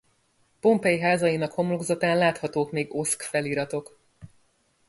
Pompeii házainak homlokzatán láthatók még oszk feliratok.